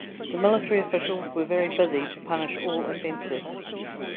The military officials were very busy to punish all offenses.